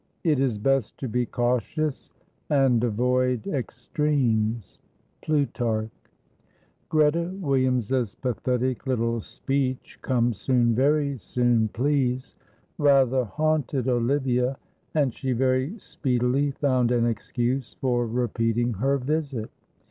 "It is best to be cautious and avoid extremes." Plutarch. Greta Williams's pathetic little speech, "Come soon, very soon, please," rather haunted Olivia, and she very speedily found an excuse for repeating her visit.